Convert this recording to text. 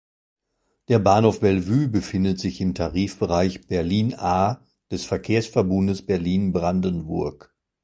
Der Bahnhof Bellevue befindet sich im Tarifbereich "Berlin A" des Verkehrsverbundes Berlin-Brandenburg.